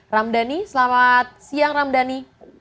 ramdhani selamat siang ramdhani